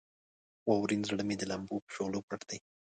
واورین زړه مې د لمبو په شغلې پټ دی.